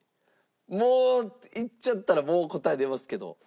もう言っちゃったら答え出ますけど。